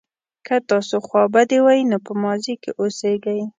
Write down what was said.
که تاسو خوابدي وئ نو په ماضي کې اوسیږئ.